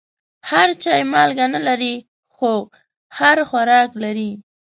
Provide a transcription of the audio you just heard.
هر چای مالګه نه لري، خو هر خوراک لري.